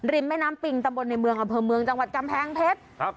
แม่น้ำปิงตำบลในเมืองอำเภอเมืองจังหวัดกำแพงเพชรครับ